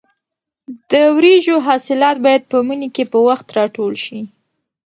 د وریژو حاصلات باید په مني کې په وخت راټول شي.